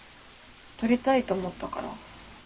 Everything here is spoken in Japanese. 撮りたいと思ったから。